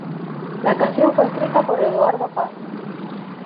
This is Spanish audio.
La canción fue escrita por Eduardo Paz.